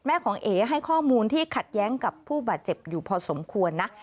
ของเอ๋ให้ข้อมูลที่ขัดแย้งกับผู้บาดเจ็บอยู่พอสมควรนะ